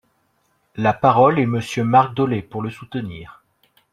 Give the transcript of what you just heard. La parole est Monsieur Marc Dolez, pour le soutenir.